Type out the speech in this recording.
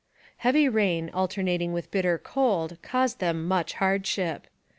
Heavy rain, alternating with bitter cold, caused them much hardship.